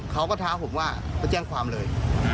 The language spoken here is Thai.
ท้าผมว่าไปแจ้งความเลย